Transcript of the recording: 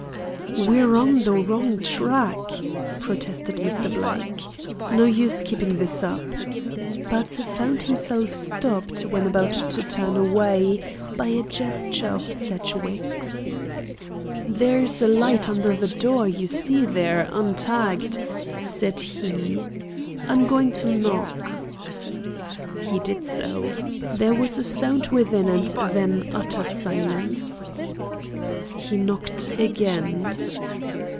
"We're on the wrong track," protested Mr. Blake. "No use keeping this up," but found himself stopped, when about to turn away, by a gesture of Sedgwick's. "There's a light under the door you see there untagged," said he. "I'm going to knock." He did so. There was a sound within and then utter silence. He knocked again.